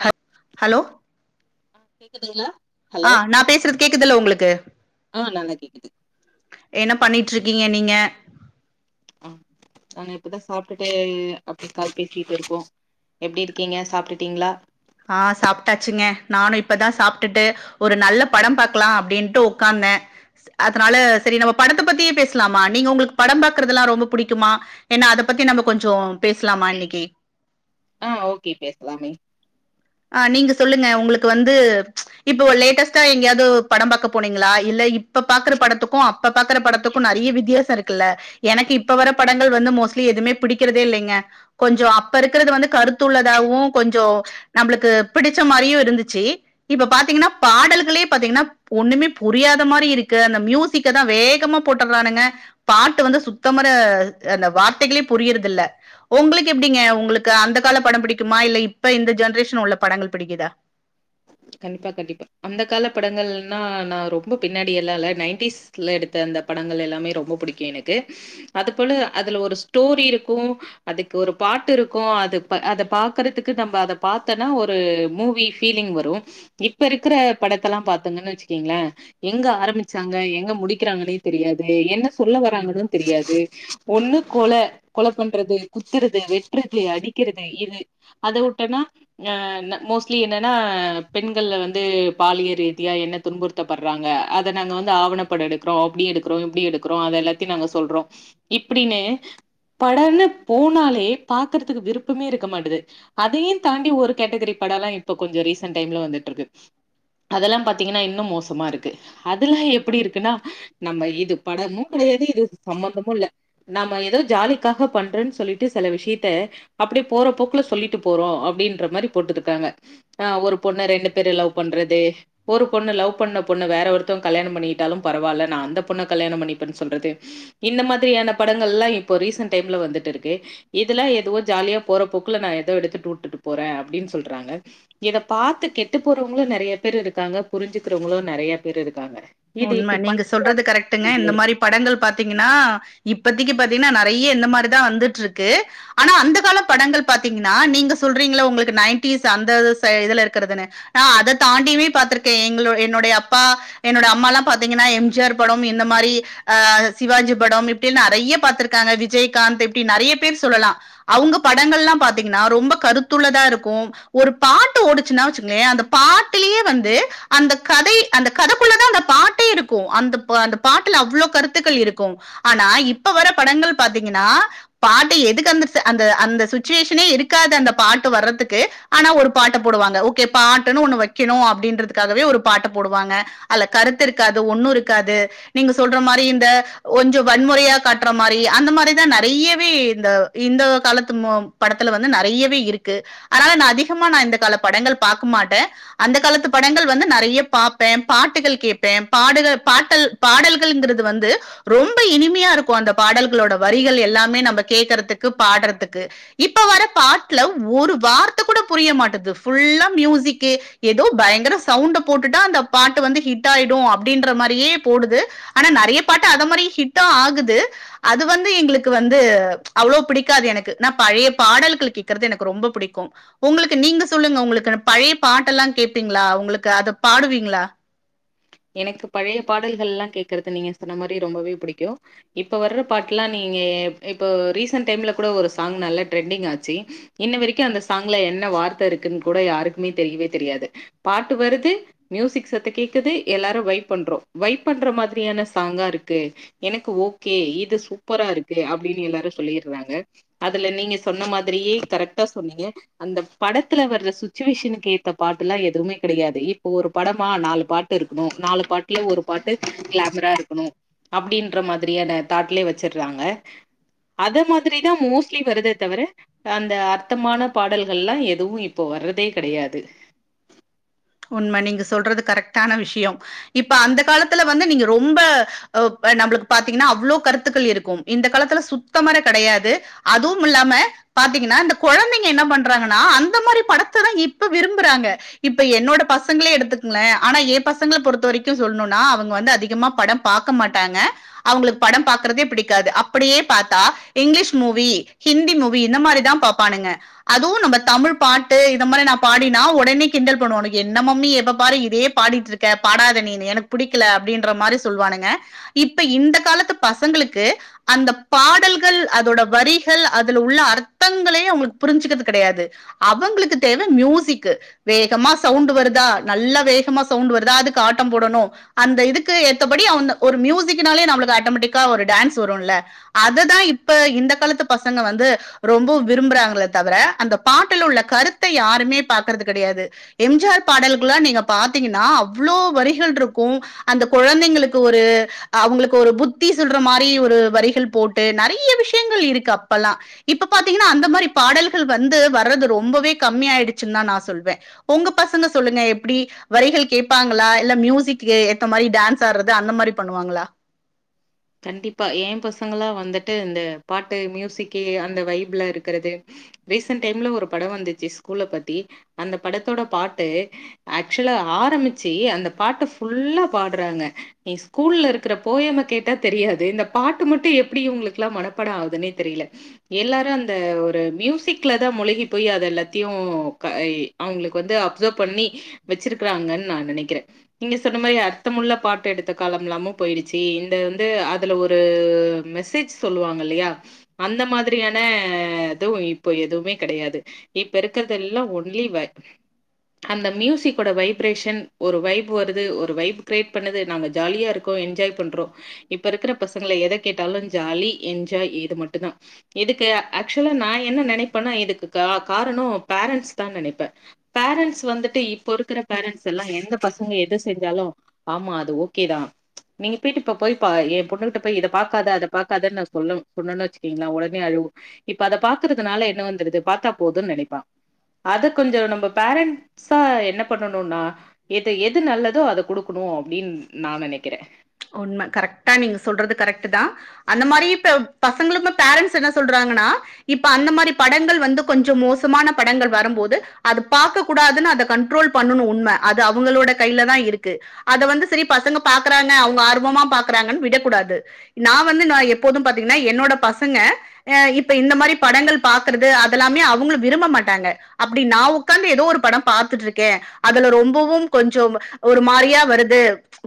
ஹல் ஹ ஹலோ ஆ கேக்குதுங்ளா ஆ நா பேசுறது கேக்குதுல்ல உங்களுக்கு ஆ நல்லா கேக்குது என்ன பண்ணிட்ருக்கிங்க நீங்க ஆ நாங்க இப்பதா சாப்டுட்டு அப்டியே கால் பேசிட்டு இருக்கோ எப்டி இருக்கிங்க சாப்டுட்டிங்ளா ஆ சாப்ட்டாச்சுங்க நானு இப்பதா சாப்டுட்டு ஒரு நல்ல படம் பாக்கலா அப்டின்ட்டு உக்காந்தே அதனால சரி நம்ம படத்த பத்தியே பேசலாமா நீங்க உங்களுக்கு படம் பாக்குறதெல்லா ரொம்ப புடிக்குமா ஏனா அத பத்தி நம்ம கொஞ்சோ பேசலாமா இன்னிக்கி ஆ ஓகே பேசலாமே அ நீங்க சொல்லுங்க உங்களுக்கு வந்து இப்ப லேட்டஸ்ட்டா எங்கயாது படம் பாக்க போனிங்களா இல்ல இப்ப பாக்கற படத்துக்கு அப் ப பாக்கற படத்துக்கு நெறைய வித்தியாச இருக்கு ல்ல எனக்கு இப்ப வர படங்கள் வந்து மோஸ்ட்லி எதுமே பிடிக்கிறதே இல்லைங்க கொஞ்சோ அப்ப இருக்கிறது வந்து கருத்துள்ளதாவு கொஞ்சோ நம்புளுக்கு பிடிச்ச மாரியு இருந்துச்சு இப்ப பாத்திங்கனா பாடல்களே பாத்திங்கனா ஒண்ணுமே புரியாத மாரி இருக்கு அந்த மியூசிக்கதா வேகமா போட்டர்றானுங்க பாட்டு வந்து சுத்தமர அந்த வார்த்தைகளே புரியறது இல்ல உங்களுக்கு எப்டிங்க உங்களுக்கு அந்த கால படம் பிடிக்குமா இல்ல இப்ப இந்த ஜென்ரேஷன் உள்ள படங்கள் பிடிக்குதா கண்டிப்பா கண்டிப்பா அந்த கால படங்கள்னா நா ரொம்ப பின்னாடி எல்லா இல்ல நைன்டிஸ்ல எடுத்த அந்த படங்கள் எல்லாமே ரொம்ப புடிக்கு எனக்கு அது போல அதுல ஒரு ஸ்டோரி இருக்கு அதுக்கு ஒரு பாட்டு இருக்கு அது அத பாக்கறதுக்கு நம்ம அத பாத்தனா ஒரு மூவி ஃபீலிங் வரு இப்ப இருக்குற படத்தல்லா பாத்துங்கன்னு வச்சுக்கீங்ள எங்க ஆரம்பிச்சாங்க எங்க முடிக்கிறாங்கன்னே தெரியாது என்ன சொல்ல வராங்கன்னு தெரியாது ஒண்ணு கொல கொல பண்றது குத்துறது வெட்றது அடிக்கிறது இது அத உட்டன்னா அ ந மோஸ்ட்லி என்னன்னா பெண்கள்ல வந்து பாலிய ரீதியா என்ன துன்புறுத்தப்பர்றாங்க அத நாங்க வந்து ஆவண படொ எடுக்றோ அபடி எடுக்றோ இப்டி எடுக்குறோ அத எல்லாத்தியு நாங்க சொல்றோ இப்டினு படன்னு போனாலே பாக்கறத்துக்கு விருப்பமே இருக்க மாட்டுது அதையு தாண்டி ஒரு கேட்டகிரி படொல்லா இப்பொ கொஞ்சொ ரீசன் டைம்ல வந்துட்ருக்கு அதெல்லா பாத்தீங்கன்னா இன்னு மோசமா இருக்கு அதுல்லா எப்டி இருக்குன்னா நம்ம இது படமு கடையாது இது சம்மந்தமு இல்ல நம்ம ஏதோ ஜாலிக்காக பண்றன் சொல்லிட்டு செல விஷயத்த அப்டே போற போக்குல சொல்லிட்டு போறோ அப்டின்ற மாரி போட்டு இருக்காங்க அ ஒரு பொண்ணு ரெண்டு பேரு லவ் பண்றது ஒரு பொண்ணு லவ் பண்ண பொண்ணு வேற ஒருத்தவங் கல்யாணம் பண்ணியிட்டாலும் பரவால்ல நா அந்த பொண்ண கல்யாணம் பண்ணிப்பேன் சொல்றது இந்த மாதிரியான படங்கள்லா இப்போ ரீசன்ட் டைம்ல வந்துட்ருக்கு இதெல்லா எதுவோ ஜாலியா போறப் போக்குல நா ஏதோ எடுத்துட் உட்டுட்டு போற அப்டின் சொல்றாங்க இத பாத்து கெட்டு போறவங்களு நறைய பேர் இருக்காங்க புரிஞ்சுக்குறவங்களு நறையா பேர் இருக்காங்க இது உண்ம நீங்க சொல்றது இப்டி கரெக்ட்டுங்க இந்த மாரி படங்கள் பாத்தீங்கன்னா இப்பத்திக்கு பாத்தீங்கன்னா நறைய இந்த மாரிதா வந்துட்ருக்கு ஆனா அந்த கால படங்கள் பாத்தீங்கன்னா நீங்க சொல்றீங்கல உங்களுக்கு நயன்டீஸ் அந்த ச இதுல இருக்குறதுனு நா அத தாண்டியுமே பாத்ருக்கே எங்களோ என்னுடைய அப்பா என்னோட அம் மால்லா பாத்தீங்கன்னா எம் ஜி ஆர் படம் இந்த மாரி ஆ சிவாஜி படம் இப்டி நறைய பாத்ருக்காங்க விஜய்காந்த் இப்டி நறைய பேர் சொல்லலா அவுங்க படங்கள்லாம் பாத்தீங்கன்னா ரொம்ப கருத்துள்ளதா இருக்கும ஒரு பாட்டு ஓடுச்சுன்னா வச்சுகங்கயே அந்த பாட்டுலயே வந்து அந்த கதை அந்த கதக்குள்ளதா அந்தப் பாட்டே இருக்கு அந்தப் அந்த பாட்டுல அவ்ளோ கருத்துக்கள் இருக்கு ஆனா இப்ப வர படங்கள் பாத்தீங்கன்னா பாட்ட எதுக்கு அந்த ச அந்த அந்த சுச்சுவேஷனே இருக்காது அந்த பாட்டு வர்றத்துக்கு ஆனா ஒரு பாட்ட போடுவாங்க ஓகே பாட்டுன்னு ஒண்ணு வெக்கணு அப்டின்றதுக்காகவே ஒரு பாட்ட போடுவாங்க அல கருத்து இருக்காது ஒண்ணு இருக்காது நீங்க சொல்ற மாரி இந்த கொஞ்சொ வன்முறையா காட்ற மாரி அந்த மாரிதா நறையவே இந்த இந்த காலத்து மூ படத்துல வந்து நறையவே இருக்கு அனால நா அதிகமா நா இந்த கால படங்கள் பாக்க மாட்ட அந்த காலத்து படங்கள் வந்து நறைய பாப்பே பாட்டுகள் கேப்பே பாடுக பாட்டல் பாடல்கள்ங்குறது வந்து ரொம்ப இனிமையா இருக்கு அந்த பாடல்களோட வரிகள் எல்லாமே நம்ப கேக்குறதுக்கு பாட்றதுக்கு இப்ப வர்ற பாட்ல ஒரு வார்த்தக் கூட புரிய மாட்டுது ஃபுல்லா மியூசிக்கு ஏதோ பயங்கர சவுண்ட போட்டுட்டா அந்த பாட்டு வந்து ஹி ட்டாய்டு அப்டின்ற மாரியே போடுது ஆனா நறைய பாட்டு அத மாரி ஹிட்டா ஆகுது அது வந்து எங்களுக்கு வந்து அவ்ளோவ் புடிக்காது எனக்கு நா பழைய பாடல்கள் கேக்கற்து எனக்கு ரொம்ப புடிக்கு உங்களுக்கு நீங்க சொல்லுங்க உங்களுக்கு பழைய பாட்டெல்லா கேப்பீங்களா உங்களுக்கு அத பாடுவீங்ளா எனக்கு பழைய பாடல்கள்லா கேக்கற்து நீங்க சொன்ன மாரி ரொம்பவே புடிக்கு இப்ப வர்ற பாட்டுல்லா நீங்க இப் இப்போ ரீசன்ட் டைம்ல கூட ஒரு சாங் நல்லா ட்ரெண்டிங் ஆச்சு இன்ன வரைக்கு அந்த சாங்ல என்ன வார்த்த இருக்குன் கூட யாருக்குமே தெரியவே தெரியாது பாட்டு வருது மியூசிக் சத்த கேக்குது எல்லாரு வைப் பண்றோ வைப் பண்ற மாதிரியான சாங்கா இருக்கு எனக்கு ஓகே இது சூப்பரா இருக்கு அப்டினு எல்லாரு சொல்லிர்றாங்க அதுல நீங்க சொன்ன மாதிரியே கரெக்ட்டா சொன்னீங்க அந்த படத்துல வர்ற சுச்சுவேஷனுக்கு ஏத்த பாட்டுல்லா எதுவுமே கெடையாது இப்போ ஒரு படமா நாலு பாட் டு இருக்கு நாலு பாட்டுல ஒரு பாட்டு கிளாமரா இருக்கணு அப்டின்ற மாதிரியான தாட்லயே வச்சிர்றாங்க அத மாதிரிதா மோஸ்ட்லி வருதே தவிர அந்த அர்த்தமான பாடல்கள்லா எதுவு இப்போ வர்றதே கடையாது உண்ம நீங்க சொல்றது கரெக்ட்டான விஷியொ இப்ப அந்த காலத்துல வந்து நீங்க ரொம்ப அ நம்மளுக்கு பாத்தீங்கன்னா அவ்ளோ கருத்துக்கள் இருக்கு இந்த காலத்துல சுத்தமார கடையாது அதுவுமில்லாம பாத்தீங்கன்னா இந்த கொழந்தைங்க என்ன பண்றாங்கன்னா அந்த மாரி படத்ததா இப்ப விரும்புறாங்க இப்ப எ ன்னோட பசங்களே எடுத்துக்கங்கல ஆனா ஏ பசங்கள பொறுத்த வரைக்கு சொல்னுன்னா அவங்க வந்து அதிகமா படம் பாக்க மாட்டாங்க அவங்களுக் படம் பாக்குறதே புடிக்காது அப்டியே பாத்தா இங்லீஷ் மூவி ஹிந்தி மூவி இந்த மாரிதா பாப்பானுங்க அதுவு நம்ம தமிழ் பாட்டு இத மாரி நா பாடினா ஒடனே கிண்டல் பண்ணுவானு என்ன மம்மி எப்ப பாரு இதே பாடிட்ருக்க பாடாத நீனு எனக்கு புடிக்கல அப்டின்ற மாரி சொல்வானுங்க இப்ப இந்த காலத்து பசங்களுக்கு அந்த பாடல்கள் அதோட வரிகள் அதுல உள்ள அர்த்தங்களே அவங்களுக்கு புரிஞ்சுக்குறது கடையாது அவங்களுக்கு தேவ மியூசிக்கு வேகமா சவுண்டு வருதா நல்ல வேகமா சவுண்டு வருதா அதுக்கு ஆட்டம் போடணு அந்த இதுக்கு ஏத்தப்படி அவ்ந்த ஒரு மியூசிக்னாலே நம்மளுக்கு ஆட்டோமேட்டிக்கா ஒரு டான்ஸ் வருல்ல அததா இப்ப இந்த காலத்து பசங்க வந்து ரொம்ப விரும்புறாங்களே தவிர அந்த பாட்டுல உள்ள கருத்த யாருமே பாக்குறது கடையாது எம் ஜி ஆர் பாடல்கள்லா நீங்க பாத்தீங்கன்னா அவ்ளோ வரிகள் இருக்கு அந்த கொழந்தைங்களுக்கு ஒரு அவங்களுக்கு ஒரு புத்தி சொல்ற மாரி ஒரு வரிகள் போட்டு நறைய விஷயங்கள் இருக்கு அப்பல்லா இப்ப பாத்தீங்கன்னா அந்த மாரி பாடல்கள் வந்து வர்றது ரொம்பவே கம்மி ஆயிடுச்சுன்தா நா சொல்வே ஒங்க பசங்க சொல்லுங்க எப்டி வரிகள் கேடப்பாங்களா இல்ல மியூசிக்கு ஏத்த மாரி டான்ஸ் ஆட்றது அந்த மாரி பண்ணுவாங்களா கண்டிப்பா ஏ பசங்களா வந்துட்டு இந்த பாட்டு மியூசிக்கி அந்த வைப்ல இருக்குறது ரீசன்ட் டைம்ல ஒரு படொ வந்துச்சு ஸ்கூல பத்தி அந்த படத்தோட பாட்டு ஆக்சுலா ஆரம்பிச்சி அந்த பாட்ட ஃபுல்லா பாட்றாங்க நீ ஸ்கூல்ல இருக்குற போயம கேட் ட்டா தெரியாது இந்த பாட்டு மட்டு எப்டி இவங்களுக்குலா மனப்படம் ஆகுதுன்னே தெரியல எல்லாரு அந்த ஒரு மியூசிக்லதா முழுகி போய் அத எல்லாத்தையு க அவங்களுக்கு வந்து அப்சர்வ் பண்ணி வச்சிருக்றாங்கன்னு நா நெனைக்கிறே நீங்க சொன்ன மாரி அர்த்தமுள்ள பாட்டு எடுத்த காலம்லாமு போயிடுச்சு இந் த வந்து அதுல ஒரு மெசேஜ் சொல்லுவாங்க இல்லையா அந்த மாதிரியானவும் இப்ப எதுவுமே கிடையாது இப்ப இருக்குறது எல்லாம் ஒன்லி வ அந்த மியூசிக் ஓட வைப்ரேஷன் ஒரு வைப் வருது வைப் கிரேட் பண்ணுது நா ஜாலியா இருக்கோ என்ஜாய் பண்றோ இப்ப இருக்குற பசங்கள எதை கேட்டாலும் ஜாலி என்ஜாய் இது மட்டும் தான் இதுக்கு ஆக்சுவலா நான் என்ன நினைப்பேனா இதுக்கு காரணம் பேரண்ட்ஸ் தான் நினைப்பேன் பேரண்ட்ஸ் வந்துட்டு இப்ப இருக்க பேரன்ஸ் எல்லாம் எந்த பசங்க எதை செஞ்சாலும் ஆமா அது ஓகேதான் நீங்க போயிட்டு இப்ப போய் என் பொண்ணுகிட்ட போய் இதை பாக்காத அதை பாக்காதன்னுான் சொல்லும் சொன்னணும்னு வச்சுக்கீங்களா உடனே அழுவும் இப்ப அதை பாக்குறதுனால என்ன வந்துது பார்த்தா போதும்ன்னு நினைப்பான் அதை கொஞ்சம் நம்ம பேரண்ட்ஸா என்ன பண்ணணும்னா இத எது நல்லதோ அதை குடுக்கணும் அப்படின்னு நான் நினைக்கிறேன் உண்மை கரெக்டா நீங்க சொல்றது கரெக்ட் தான் அந்த மாரி பசங்களுக்கு பேரன்ஸ் என்ன சொல்றாங்கன்னா இப்ப அந்த மாதிரி படங்கள் வந்து கொஞ்சம் மோசமான படங்கள் வரும்போது அது பாக்க கூடாதுன்னு அத கண்ட்ரோல் பண்ணணும் உண்மை அது அவங்களோட கையிலதா இருக்கு அத வந்து சரி பசங்க பாக்கறாங்க அவங்க ஆர்வமா பக்குறாங்கனு விடக்கூடாது ந வந்து எப்போதும் பாத்திங்கன்னா என்னோட பசங்க இப்ப இந்த மாரி படங்கள் பாக்கறது அதெல்லாமே அவங்க விரும்ப மாட்டாங்க அப்படி நான் உட்காந்து எதோ ஒரு படம் பாத்துட்டு இருக்கேன் அதுல ரொம்பவும் கொஞ்சம் ஒரு மாரியா வருது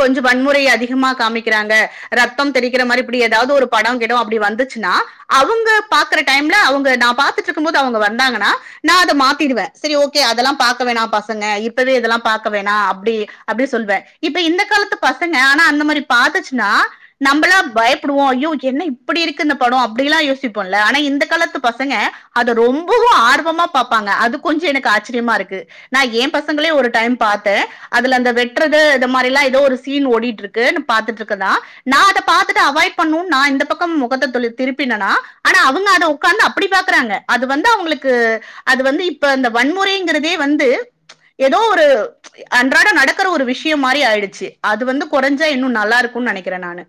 கொஞ்சம் வன்முறை அதிகமா காமிக்கிறாங்க ரத்தம் தெறிக்கிற மாரி இப்படி ஏதாவது ஒரு படம் கிடம்னு அப்படி வந்துச்சினா அவுங்க பாக்குற டைம்ல அவுங்க நான் பாத்துட்டு இருக்கும் போது வந்தாங்கனா நான் அத மாத்திட்டுவேன் சரி ஓகே அதலாம் பாக்க வேண்டாம் பசங்க இப்பவே இதலாம் பாக்க வேண்டாம் அப்டி அப்டின்னு சொல்லுவேன் இப்ப இந்த காலத்து பச பசங்க ஆனா அந்த மாரி பாத்துச்சிங்கன்னா நம்மளா பயப்படுவோம் ஐயோ என்ன இப்படி இருக்கு இந்த படம் அப்படிலாம் யோசிப்போம்ல ஆனா இந்த காலத்து பசங்க அத ரொம்பவும் ஆர்வமா பாப்பாங்க அது கொஞ்சம் எனக்கு ஆச்சரியமா இருக்கு நான் ஏ பசங்கள ஒரு டைம் பார்த்தேன் அதுல அந்த வெட்டுறது இந்த மாதிரல்லாம் ஏதோ ஒரு சீன் ஓடிட்டு இருக்கு பாத்துட்டு இருக்கதான் நான் அதை பாத்துட்டு அவாய்ட் பண்ணும்னு நான் இந்த பக்கம் முகத்தை தொ திருப்பினனா ஆனா அவங்க அதை உ்கார்ந்து அப்படி பாக்குறாங்க அது வந்து அவங்களுக்கு அது வந்து இப்ப அந்த வன்முறைங்கிறதே வந்து ஏதோ ஒரு அன்றாட நடக்கிற ஒரு விஷயம் மாரி ஆயிடுச்சு அது வந்து குறைஞ்சா இன்னும் நல்லா இருக்கும்னு நினைக்கிறேன் நானு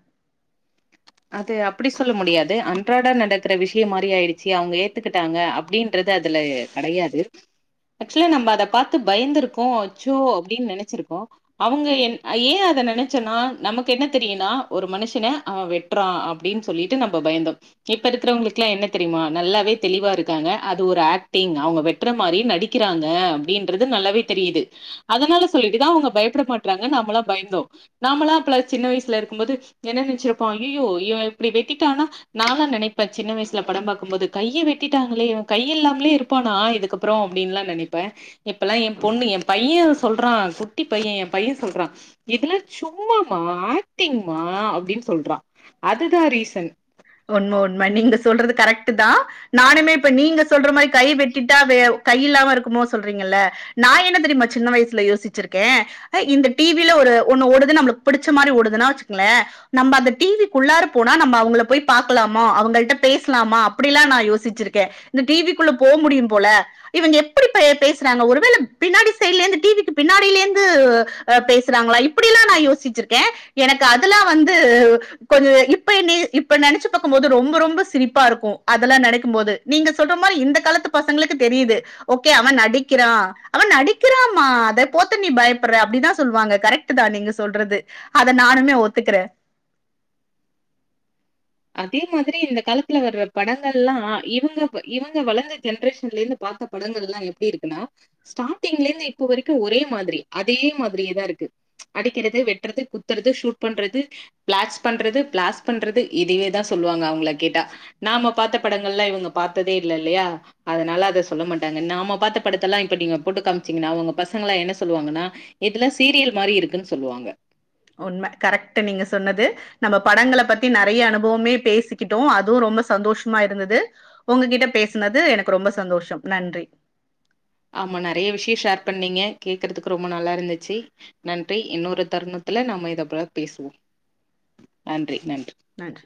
அது அப்படி சொல்ல முடியாது அன்றாடா நடக்கிற விஷயம் மாரி ஆயிடுச்சு அவங்க ஏத்துக்கிட்டாங்க அப்படின்றது அதுல கிடையாது ஆக்சுவலா நம்ம அத பார்த்து பயந்திருக்கோம் சோ அப்படின்னு நினைச்சிருக்கோம் அவங்க என் ஏன் அதை நினைச்சோன்னா நமக்கு என்ன தெரியும்னா ஒரு மனுஷன வெட் வெட்றான் அப்படின்னு சொல்லிட்டு நம்ம பயந்தோம் இப்ப இருக்கிறவங்களுக்குெல்லாம் என்ன தெரியுமா நல்லாவே தெளிவா இருக்காங்க அது ஒரு ஆக்டிங் அவங்க வெட்டுற மாதிரி நடிக்கிறாங்க அப்படின்றது நல்லாவே தெரியுது அதனால சொல்லிட்டுதான் அவங்க பயப்பட மாட்டறாங்க நாம்ளாம் பயந்தோம் நாமளாம் அ சின்ன வயசுல இருக்கும் போது என்ன நினைச்சிருப்பாங் ஐயோ இவன் இப்படி வெட்டிட்டானா நான்லான் நினைப்பேன் சின்ன வயசுல படம் பார்க்கும் போது கைய வெட்டிட்டாங்களே இவன் கை இல்லாமலே இருப்பானா இதுக்கப்புறம் அப்படின்னுலல்லாம் நினைப்பேன் இப்பெல்லாம் என் பொண்ணு என் பையன் சொல்றான் குட்டி பையன் என் பையன் சொல்றான் இதெல்லாம் சும்மாமா ஆக்டிங்மா அப்படின்னு சொல்றான் அதுதான் ரீசன் உண்மை உண்மை நீங்க சொல்றது கரெக்ட் தான் நானுமே இப்ப நீங்க சொல்ற மாதிரி கை வெட்டிட்டா வேற கை இல்லாம இருக்குமோ சொல்றீங்கல்ல நான் என்ன தெரியுமா சின்ன வயசுல யோசிச்சிருக்கேன் இந்த டிவில ஒரு ஒன்னு ஓடுது நம்மளுக்கு பிடிச்ச மாதிரி ஓடுதுன்னா வச்சுக்கங்களேன் நம்ம அந்த டிவிக்குள்ளாரு போனா நம்ம அவங்கள போய் பாக்கலாமோ அவங்கள்ட பேசலாமா அப்படில்லாம் நான் யோசிச்சிருக்கேன் இந்த டிவிக்குள்ள போக முடியும் போல இவங்க எப்படி பேசுறாங்க ஒருவேல பின்னாடி சைடுல டீவிக்கு பின்னாடியிலந்து பேசுறாங்களா இப்படிலாம் நான் யோசிச்சிருக்கேன் எனக்கு அதுலாம் வந்து கொஞ இப்ப இப்ப நினைச்சு பக்கும்போது ரொம்ப ரொம்ப சிரிப்பா இருக்கும் அதெல்லாம் நினைக்கும்போது நீங்க சொல்ற மாதிரி இந்த காலத்து பசங்களுக்கு தெரியுது ஓகே அவன் நடிக்கிறான் அவன் நடிக்கிறாமா அத போத்த நீ பயப்படுற அப்படிதான் சொல்லுவாங்க கரெக்ட் தான் நீங்க சொல்றது அத நானுமே ஒத்துக்கறேன் அதே மாதிரி இந்த காலத்துல வர்ற படங்கள் எல்லாம் இவங்க இவங்க வளர்ந்த ஜென்ரேஷன்ல இருந்து பார்த்த படங்கள் எல்லாம் எப்படி இருக்குன்னா ஸ்டார்டிங்ல இருந்து இப்ப வரைக்கும் ஒரே மாதிரி அதே மாதிரியேதான் இருக்கு அடிக்கிறது வெட்டுறது குத்துறது ஷூட் பண்றது பிளாஸ் பண்றது பிளாஸ் பண்றது இதுவேதான் சொல்லுவாங்க அவங்க கேட்டா நாம பார்த்த படங்கல்லாம் இவங்க பார்த்ததே இல்ல இல்லையா அதனால அதை சொல்ல மாட்டாங்க நாம பாார்த்த படத்த எல்லாம் இப்ப நீங்க போட்டு காமிச்சீங்கன்னா அவங்க பசங்களாம் என்ன சொல்லுவாங்கன்னா இதுல்லாம் சீரியல் மாதிரி இருக்குன்னு சொல்லுவாங்க உண்மை கரெக்ட் நீங்க சொன்னது நம்ம படங்க பத்தி நிறைய அனுபவமே பேசிக்கிட்டோம் அதுவும் ரொம்ப சந்தோஷமா இருந்தது உங்ககிட்ட பேசினது எனக்கு ரொம்ப சந்தோஷம் நன்றி ஆமா நிறைய விஷயம் ஷேர் பண்ணீங்க கேக்குறதுக்கு ரொம்ப நல்லா இருந்துச்சு நன்றி இன்னொரு தருணத்துல நாம இதை போல பேசுவோம் நன்றி நன்றி நன்றி